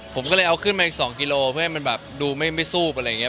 ผมก็เลยเอาขึ้นมาอีก๒กิโลเพื่อให้มันแบบดูไม่ซูบอะไรอย่างนี้